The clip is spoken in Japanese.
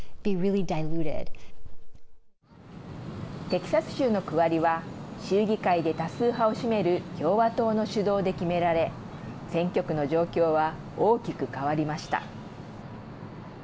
テキサス州の区割りは州議会で多数派を占める共和党の主導で決められ選挙区の状況は大きく変わりました。